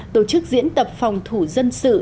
tổ chức diễn tập phòng thủ dân sự